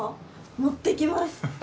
持ってきます！